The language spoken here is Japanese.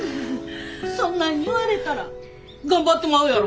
そんなに言われたら頑張ってまうやろ。